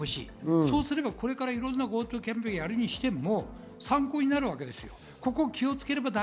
そうすれば、これからいろんなＧｏＴｏキャンペーンをやるにしても参考になるわけですよ。